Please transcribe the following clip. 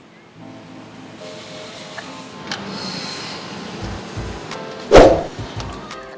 lepas ini dong